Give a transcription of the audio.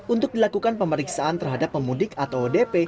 untuk dilakukan pemeriksaan terhadap pemudik atau odp